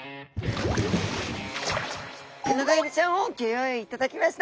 テナガエビちゃんをギョ用意いただきました。